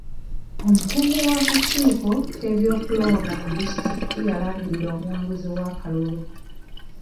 Omukungu w'akakiiko k'ebyokulonda ku disitulikiti yalangirira omuwanguzi w'akalulu.